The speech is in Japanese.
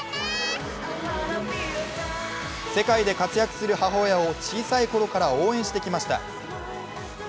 世界で活躍する母親を小さい頃から応援してきました。